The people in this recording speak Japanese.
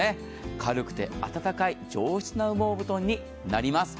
軽くて温かい、上質な羽毛布団になります。